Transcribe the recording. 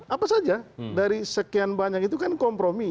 apa saja dari sekian banyak itu kan kompromi